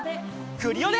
クリオネ！